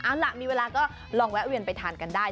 เอาล่ะมีเวลาก็ลองแวะเวียนไปทานกันได้